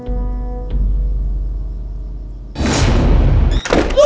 aku pengen ngambil